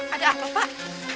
ada apa pak